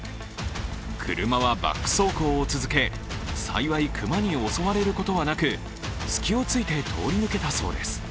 車はバック走行を続け、幸い、熊に襲われることはなく隙をついて通り抜けたそうです。